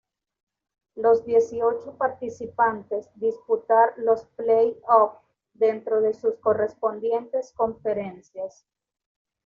Los dieciocho participantes disputar los play-offs dentro de sus correspondientes conferencias.